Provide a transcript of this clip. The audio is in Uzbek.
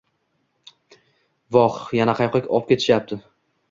Voh yana qayoqqa opketishyapti?